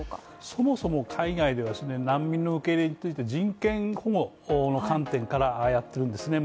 そもそも海外では既に難民の受け入れについて人権保護の観点からやってるんですね